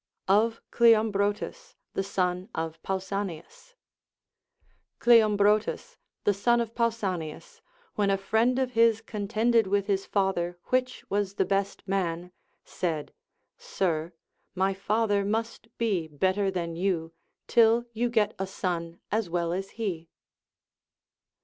Of Cleombrotus the Son of Pausanias. Cleombrotus, the son of Pausanias, when a friend of his contended with his father which was the best man, said, Sir, my father must be better than you, till you get a son as well as he.